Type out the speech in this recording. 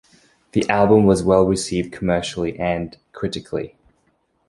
The album was well received commercially and critically.